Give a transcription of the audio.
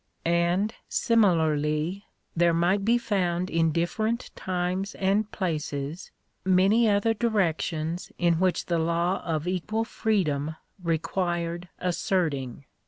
And, similarly, there might be found in different times and places, many other directions in which the law of equal freedom required asserting.